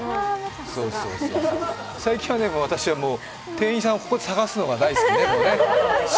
最近は私は店員さんをここで探すのが大好きね。